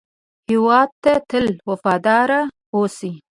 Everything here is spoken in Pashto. هېواد ته تل وفاداره اوسئ